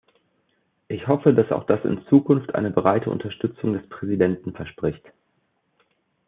Ich hoffe, dass auch das in Zukunft eine breite Unterstützung des Präsidenten verspricht.